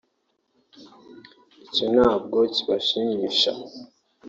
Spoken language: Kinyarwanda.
icyo ntabwo kibashimisha